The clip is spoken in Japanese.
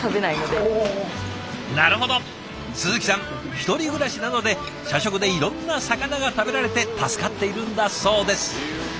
１人暮らしなので社食でいろんな魚が食べられて助かっているんだそうです。